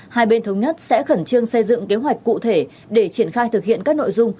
hai bên thống nhất sẽ khẩn trương xây dựng kế hoạch cụ thể để triển khai thực hiện các nội dung